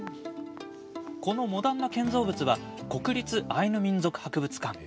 このモダンな建造物は国立アイヌ民族博物館。